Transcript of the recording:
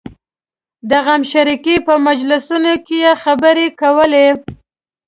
د غمشریکۍ په مجلسونو کې یې خبرې کولې.